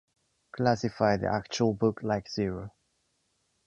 Classify the actual book like zero